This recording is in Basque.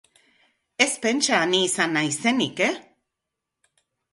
Ez pentsa ni izan naizenik, e?